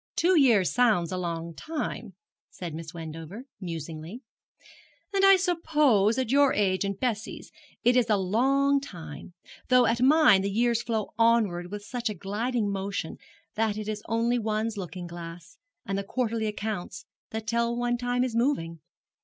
'Two years sounds a long time,' said Miss Wendover, musingly, 'and I suppose, at your age and Bessie's, it is a long time; though at mine the years flow onward with such a gliding motion that it is only one's looking glass, and the quarterly accounts, that tell one time is moving.